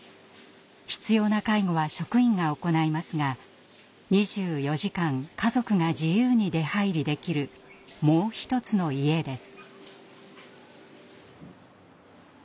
必要な介護は職員が行いますが２４時間家族が自由に出はいりできる「もう一つの家」です。